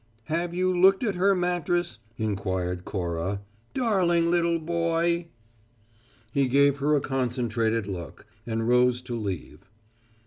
"Have you looked at her mattress," inquired Cora, "darling little boy?" He gave her a concentrated look, and rose to leave.